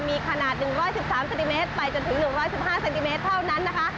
มีขนาด๑๑๓เซนติเมตรไปจนถึง๑๑๕เซนติเมตรเท่านั้นนะคะ